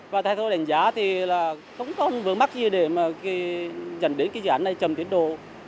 và thay thôi đánh giá thì là không có vương mắc gì để mà dẫn đến cái dự án này trầm tiến độ